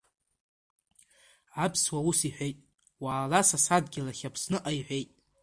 Аԥсуа ус иҳәеит, уаала са садгьыл ахь Аԥсныҟа иҳәеит.